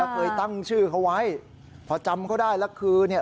เคยตั้งชื่อเขาไว้พอจำเขาได้แล้วคือเนี่ย